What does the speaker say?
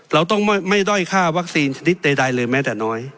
เราต้องไม่ด้อยค่าวัคซีนชนิดใดเลยแม้แต่น้อย